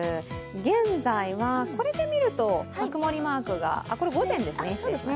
現在はこれで見ると曇りマークがこれ、午前ですね。